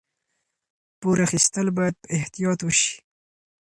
پور اخیستل باید په احتیاط وشي.